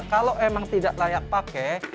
kalau emang tidak layak pakai